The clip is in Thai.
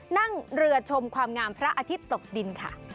นั่งเรือชมความงามพระอาทิตย์ตกดินค่ะ